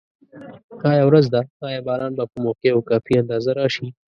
آیا وریځ ده؟ آیا باران به په موقع او کافي اندازه راشي؟